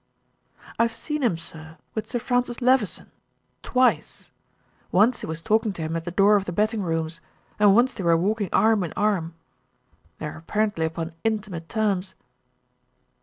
"I have seen him, sir, with Sir Francis Levison, twice. Once he was talking to him at the door of the betting rooms, and once they were walking arm in arm. They are apparently upon intimate terms."